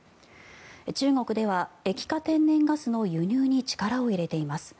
中国では液化天然ガスの輸入に力を入れています。